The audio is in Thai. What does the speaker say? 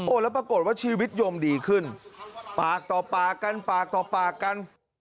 แล้วปรากฏว่าชีวิตโยมดีขึ้นปากต่อปากกันปากต่อปากกัน